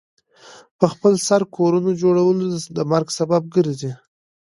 پخپل سر کورونو جوړول د مرګ سبب ګرځي.